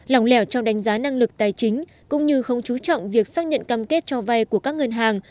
lỏng lẻo trong đánh giá năng lực tài chính cũng như không chú trọng việc xác nhận cam kết cho vay của các ngân hàng